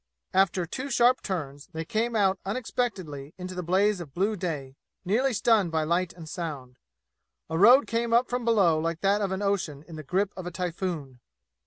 After two sharp turns they came out unexpectedly into the blaze of blue day, nearly stunned by light and sound. A road came up from below like that of an ocean in the grip of a typhoon.